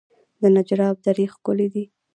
د نجراب درې ښکلې دي